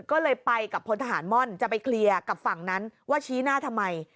ก็เลยไปกับพลทหารม่อนจะไปเคลียร์กับฝั่งนั้นว่าชี้หน้าทำไม